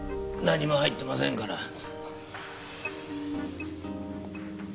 何も入ってませんから。